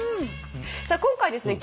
さあ今回ですね